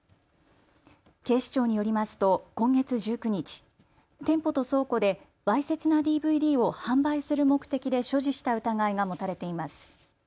警視庁によりますと今月１９日、店舗と倉庫でわいせつなＤＶＤを販売する目的で所持した疑いが持たれています。